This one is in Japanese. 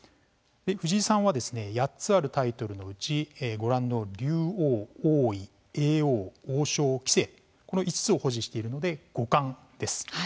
藤井さんは８つあるタイトルのうちご覧の竜王、王位、叡王、王将棋聖、この５つを保持しているので五冠です。